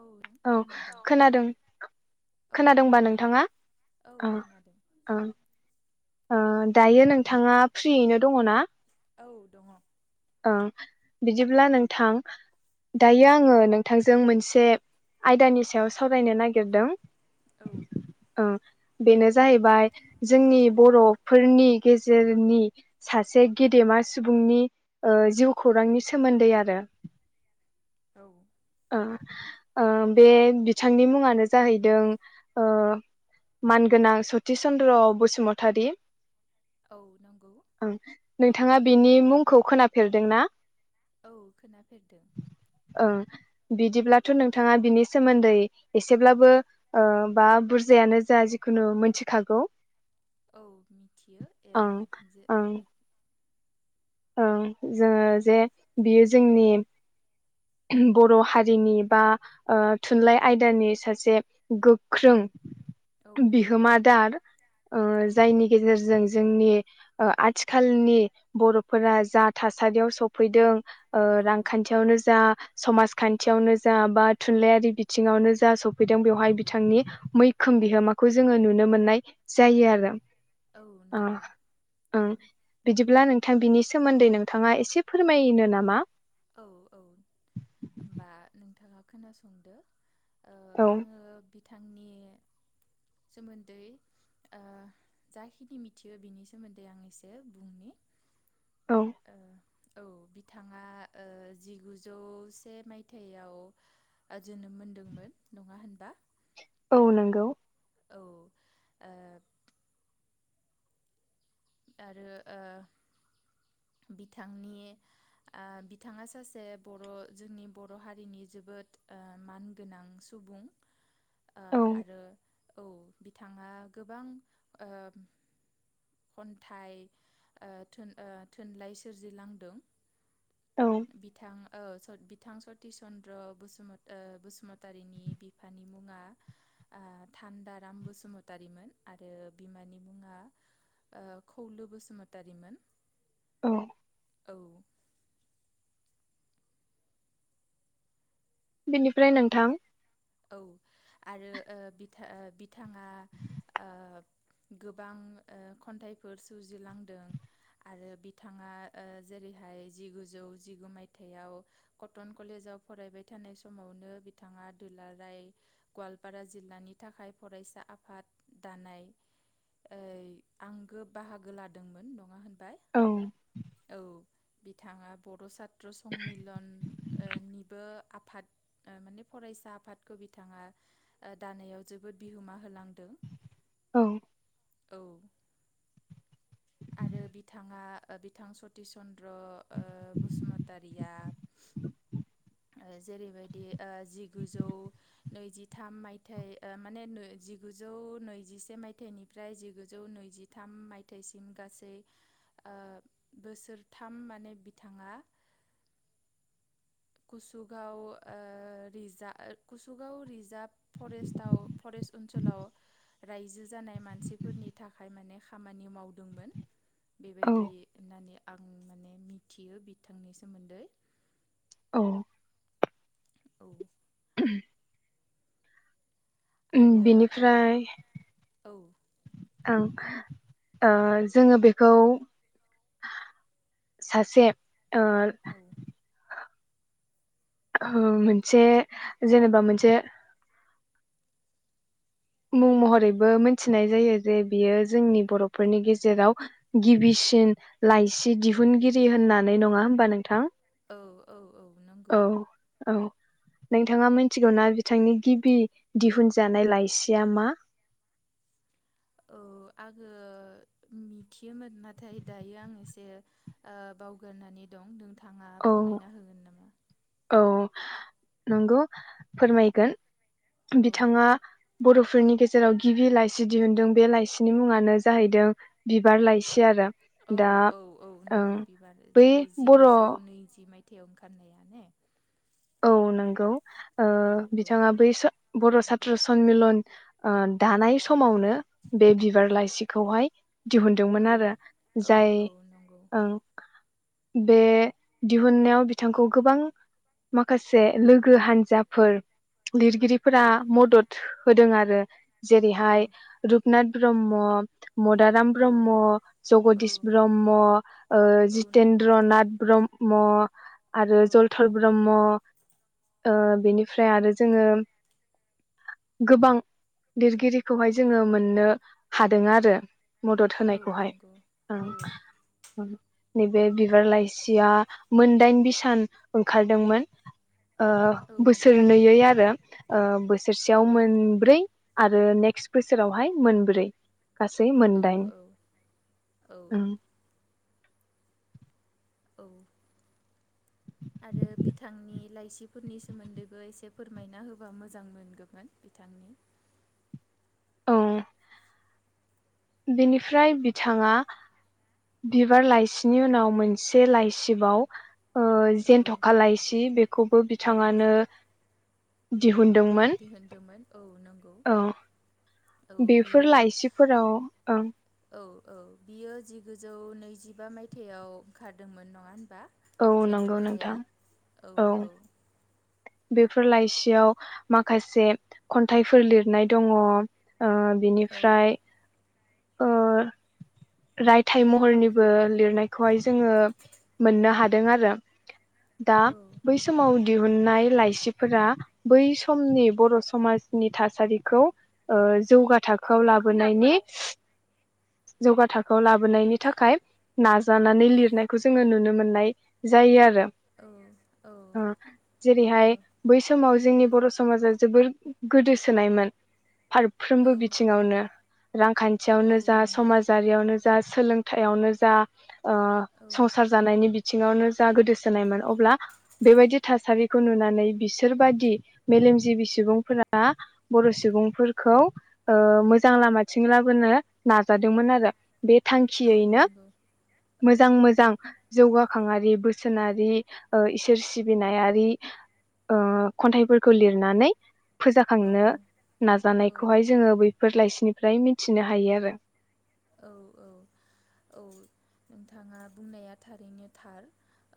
औ रां खोनादों खोनादों औ औ खोनादोंबा खोनादों नोंथाङा औ खोनादों। ओह दायो नोंथाङा फ्रियैनो दङ ना। औ दङ। ओह बिदिब्ला नोंथां दायो आङो नोंथांजों मोनसे आयदानि सायाव सावरायनो नागिरदों। औ। ओं बेनो जाहैबाय जोंनि बर'फोरनि गेजेरनि सासे गेदेमा सुबुंनि ओह जिउ खौरांनि सोमोन्दै आरो औ। ओह ओह बे बिथांनि मुङानो जाहैदों ओह मानगोनां सतिस चन्द्र बसुमतारी। औ नंगौ ओं नोंथाङा बिनि मुंखौ खोनाफेरदों ना? औ खोनाफेरदों। ओं बिदिब्लाथ' नोंथाङा बिनि सोमोन्दै एसेब्लाबो ओह बा बुरजायानो जा जिखुनु मोनथिखागौ। औ मिथियो ए ओं जे ओं मिथ ओं जोंङो जे बियो जोंनि बर' हारिनि बा ओ थुनलाइ आयदानि सासे गोख्रों उम औ नंगौ बिहोमा दार ओ औ जायनि गेजेरजों जोंनि ओ आथिखालनि बर' फोरा जा थासारियाव सफैदों ओ औ रांखान्थियावनो जा समाजखान्थियावनो जा बा थुनलाइयारि बिथिङावनो जा सब फैदों औ बेवहाय बिथांनि मै खोम बिहोमाखौ जोङो नुनो मोननाय जायो आरो। औ अ नंगौ ओं औ बिदिब्ला नों थां बिनि सोमोन्दै नोंथाङा एसे फोरमायनो नामा? औ-औ होनबा नोंथाङा खोनासंदो। ओ औ आङो बिथांनि सोमोन्दै ओ जाखिनि मिथियो बिनि सोमोन्दै आं एसे बुंनि। औ। ओ औ बिथाङा जिगुजौ से मायथाइयाव जोनोम मोनदोंमोन नङा होनबा? औ नंगौ। औ ओ। आरो ओ बिथांनि ओ बिथाङा सासे बर' जोंनि बर' हारिनि जोबोद ओ मानगोनां सुबुं। ओ औ आरो। औ बिथाङा गोबां ओ। खन्थाइ ओ थुनलाइ सोरजिलांदों। औ बिथाङा। ओ बिथां सतिस चन्द्र' बसु ओ बसुमतारिनि बिफानि मुङा ओ थान्दाराम बसुमतारिमोन आरो बिमानि मुङा। ओ खौलु बसुमतारिमोन। औ। औ। बेनिफ्राय नोंथां। औ आरो ओ बिथां बिथाङा ओ गोबां ओ खन्थाइफोर सुजुलांदों आरो बिथाङा ओ जेरैहाय जिगुजौ जिगु मायथाइाव कटन कलेजाव फरायबाय थानाय समावनो बिथाङा। दुलाराय गवालपारा जिल्लानि थाखाय फरायसा आफाद दानाय ओ आंगो बाहागो लादोंमोन नङा होनबा? बाय औ औ। बिथाङा बड' सात। सात्र सन्मिलन ओ निबो। आफाद ओ माने फरायसा। आफादखौ बिथाङा ओ दानायाव जोबोद बिहोमा होलांदों। ओ। औ। आरो बिथाङा बिथां सतिस चन्द्र ओ बसुमतारिया जेरैबायदि ओ जिगुजौ नैजिथाम मायथाइ माने जिगुजौ नैजिसे मायथाइनिफ्राय जिगुजौ नैजिथाम मायथाइसिम। गासै ओ बोसोरथाम माने बिथाङा। कुसुगाव ओ रिजार्भ ओ कुसुगाव रिजार्भ फरेस्टआव फरेस्ट ओनसोलाव रायजो जानाय मानसिफोरनि थाखाय माने खामानि मावदोंमोन। औ बेबायदि होननानै। आं माने मिथियो बिथांनि सोमोन्दै। औ। औ। [unintelligible] ओम आरो बेनिफ्राय। ओ औ ओं ओ जोङो बेखौ सासे। ओ। औ हो मोनसे जेनेबा मोनसे। मुं महरैबो मोनथिनाय जायो जे बियो जोंनि बर'फोरनि गेजेराव गिबिसिन लाइसि दिहुनगिरि होननानै नङा होमबा नोंथां? औ औ औ नंगौ औ-औ। नोंथाङा मिथिगौना बिथांनि गिबि दिहुनजानाय लाइसि। याम्मा। औ आङो मिथियोमोन नाथाय दायो आं एसे बावगारनानै दं नोंथां थाङा औ फोरमायना होगोन नामा औ नंगौ फोरमायगोन औ बिथाङा बर'फोरनि गेजेराव गिबि लाइसि दिहुनदों बे लाइसिनि मुङानो जाहैदों बिबार लाइसि आरो औ दा औ औ ओं नंगौ बिबार बै जाय बर' जिगुजौ औ नैजि माय थियाव ओंखारनाया ने औ नंगौ ओ औ औ बिथाङा बै सा बर' सात्र सनमिलन दानाय समावनो बे औ बिबार लाइसिखौहाय दिहुनदोंमोन औ आरो औ जाय औ नंगौ ओं बे दिहुननायाव बिथांखौ गोबां माखासे लोगो हान्जाफोर लिरगिरिफोरा औ मदद होदों आरो जेरैहाय औ रुपनाथ ब्रह्म मदाराम औ ब्रह्म औ जगदिस ब्रह्म औ नंगौ जितेन्द्र नाथ ब्रह्म अ आरो औ जलधल म बेनिफ्राय आरो जोङो गोबां लिरगिरिखौहाय जोङो मोननो हादों आरो मदद औ होनायखौहाय नंगौ ओं औ ओम नैबे बिबार लाइसिया मोनदाइन बिसान ओंखारदोंमोन ओ औ बोसोरनैयै आरो ओ बोसोरसेयाव मोनब्रै आरो नेक्स्ट बोसोरावहाय मोनब्रै गासै औ मोनदाइन औ औ ओं औ आरो बिथांनि लाइसिफोरनि सोमोन्दैबो एसे फोरमायना होबा मोजां मोनगौमोन बिथांनि औ बिनिफ्राय बिथाङा बिबार लाइसिनि उनाव मोनसे लाइसिबाव ओ औ जेनथ'खालायसि बेखौबो औ बिथाङानो दिहुनदोंमोन दिहुनदोंमोन औ नंगौ। औ औ बेफोर बियो लाइसिफोराव ओं। औ औ बियो जिगुजौ नैजिबा मायथाइयाव ओंखारदोंमोन नङा होन औ नंगौ नोंथां औ। बेफोर लाइसियाव माखासे खन्थाइफोर लिरनाय दङ। ओ- औ बिनिफ्राय ओ-रायथाइ महरनिबो लिरनायखौहाय जोङो मोननो हादों आरो। दा औ बै समाव। दिहुननाय लाइसिफोरा बै समनि बर' समाजनि थासारिखौ ओ- जौगा औ थाखोआव लाबोनायनि जौगा थाखोआव लाबोनायनि थाखाय नाजानानै लिरनायखौ जोङो नुनो मोननाय जायो आरो। ओ औ जेरैहाय औ बै समाव, जोंनि बर' समाजा जोबोर गोदोसोनायमोन। फारफ्रोमबो औ बिथिङावनो रांखान्थि खाथियावनो औ जा नंगौ समाजारियावनो जा। जा सोलोंथायाइावनो जा। अ' औ संसार जानायनि बिथ बिथिआवनो जा गोदोसोनायमोन अब्ला बेबायदि थासारिखौ नुनानै बिसोरबाददि मेलेमजिबि सुबुंफोरा बर' सुबुंफोरखौ मोजां लामाथिं ला नो नाजादोंमोन आरो बे औ थांखियैनो नंगौ औ मोजां मोजां। जौगाखांआरि बोसोनारि ओ-इसोर सिबिनायारि ओ- खन्थाइफोरखौ लिरनानै औ फोजाखांनो औ नाजानायखौहाय जोङो बैफोर लाइसि। निफ्राय मिथिनो हायो आरो। औ औ औ नोंथाङा बुंनाया थारैनो थार।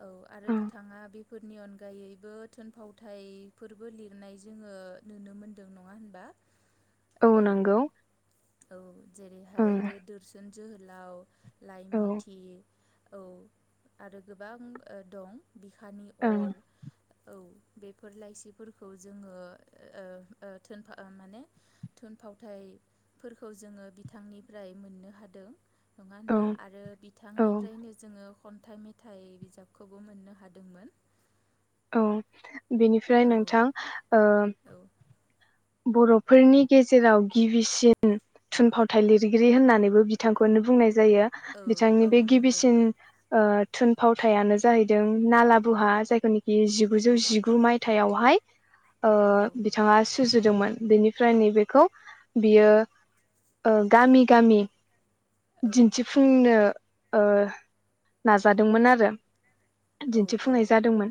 औ आरो बिथाङा बे फोरनि अनगायैबो थुनफावथायफोरबो लिरनाय जोंङो नुनो मोनदों नङा होनबा? औ नंगौ। औ। जेरैहाय ओं बे दोरसोन जोहोलाव। औ लाइमुथि। औ आरो गोबां ओ दं। बिखानि ओं अर औ। बेफोर लाइसिफोरखौ जोंङो ओ- ओ-थो- थोनफाव माने थुनफावथाय फोरखौ जोंङो बिथांनिफ्राय मोननो हादों। नंङा औ होनबा? आरो औ बिथांनिफ्रायनो जोंङो। खन्थाइ मेथाइ बिजाबखौबो मोननो हादोंमोन। औ बेनिफ्राय औ नोंथां ओ औ बर'फोरनि गेजेराव गिबिसिन थुनफावथाय लिरगिरि होननानैबो बिथांखौनो बुंनाय जायो। जायो औ बिथांनि औ बे नंगौ गिबिसिन थुनफावथायानो जाहैदों नाला बुहा जायखौनि बे औ जिगुजौ जिगु मायथाइयाव [unintelligible] ओ औ बिथांङा सुजुदोंमोन बेनिफ्राय नैबेखौ बियो गामि गामि औ दिन्थिफुंनो ओ नाजादोंमोन आरो औ दिन्थिफुंनाय औ जादोंमोन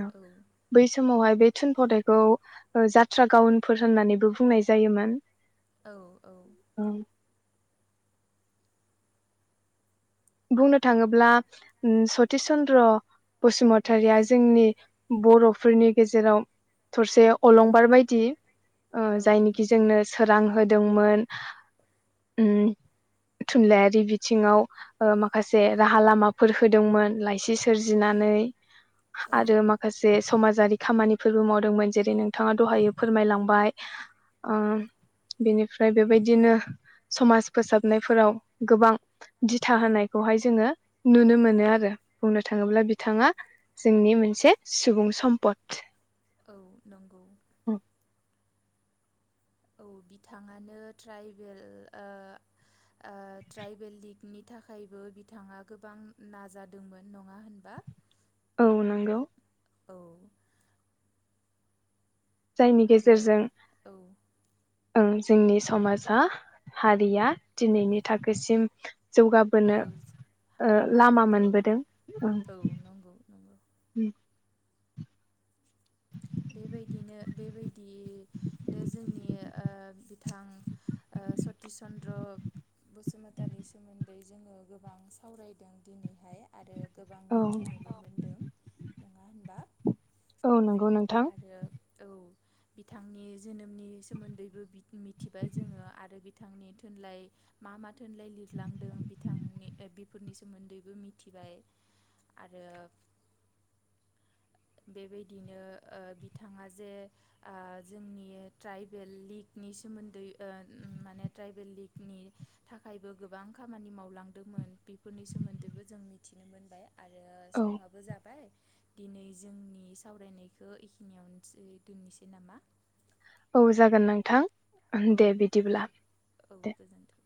ओं बै समावहाय बे थुनफावथायखौ जा थ्रागाउनफोर होननानैबो बुंनाय जायोमोन। औ-औ बुंनो थांङोब्ला सतिस चन्द्र औ बसुमतारिया जोंनि बर'फोरनि गेजेराव थरसे अलंबार बायदि। ओ औ जायनिखि नंगौ जोंनो सोरां हो होदोंमोन उम थुनलाइयारि बिथिंङाव। ओ माखासे राहा लामाफोर होदोंमोन लाइसि सोरजिनानै औ आरो माखासे समाजारि खामानिफोरबो मावदोंमोन जेरै नोंथाङा दहाय फोरमायलांबाय। ओ औ बेनि फ्राय बेबायदिनो समाज फोसाबनायफोराव गोबां दि था होनायखौहाय जोङो नुनो मोनो आरो बुंनो थाङोब्ला बिथाङा जोंनि मोनसे सुबुं सम्पद। औ नंगौ। औ बिथाङानो ट्राइबेल ओ ओ ट्राइबेल लिगनि थाखायबो बिथाङा गोबां नाजादोंमोन नङा होनबा। औ नंगौ। औ जायनि आरो गेजेरजों औ ओं जोंनि समाजा हारिया दिनैनि थाखोसिम औ जौगाबोनो ओ हादों लामा औ मोनबोदों औ नंगौ नंगौ [unintelligible] बेबायदिनो बेबायदिनो जोंनि ओ बिथां सतिच चन्द्र बसुमतानि सोमोन्दै जोङो गोबां सावरायदों दिनैहाय आरो गोबां औ मिथिनोबो मोनदों। नङा होनबा। औ [unintelligible] [unintelligible] नोंथां। आरो औ बिथांनि जोनोमनि सोमोन्दैबो बिद- मिथिबाय जोङो आरो [unintelligible] [unintelligible] थुनलाइ मा मा? थुनलाय लिरलांदों बिथांनि ओ बिफोरनि सोमोन्दैबो मिथिबाय आरो बेबायदिनो ओ बिथाङा जे आ जोंनि ट्राइबेल लिगनि सोमोन्दै ओ उम माने ट्राइबेल लिगनि थाखायबो गोबां खामानि मावलांदोंमोन बेफोरनि सोमोन्दैबो जों मिथिनो मोनबाय। आरो औ समाबो जाबाय। दिनै जोंनि सावरायनायखौ इखिनियावनोसै दोननोसै नामा? औ जागोन नोंथां। औ दे बिदिब्ला दे औ दे। गोजोन्थों